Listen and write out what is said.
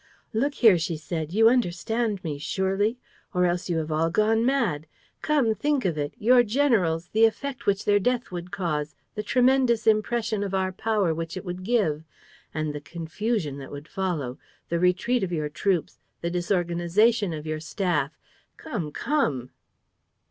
"Look here," she said, "you understand me, surely? Or else you have all gone mad! Come, think of it: your generals, the effect which their death would cause, the tremendous impression of our power which it would give! ... And the confusion that would follow! The retreat of your troops! The disorganization of the staff! ... Come, come!